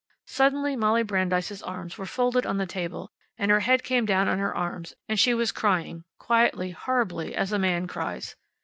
Suddenly Molly Brandeis' arms were folded on the table, and her head came down on her arms and she was crying, quietly, horribly, as a man cries.